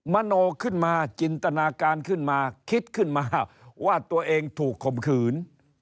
มโนขึ้นมาจินตนาการขึ้นมาคิดขึ้นมาว่าตัวเองถูกข่มขืน